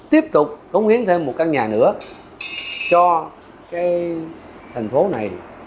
tiếp tục cống hiến thêm một căn nhà nữa cho cái thành phố này